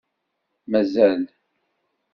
Mazal.